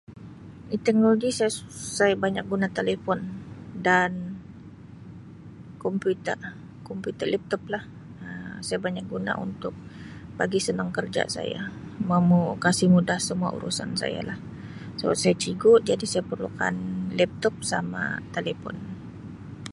Teknologi sa-saya banyak guna talipon dan komputer, komputer, laptop lah Um saya banyak guna untuk bagi sanang kerja saya memu-kasi mudah urusan saya lah sebab saya cigu jadi saya perlukan laptop sama talipon.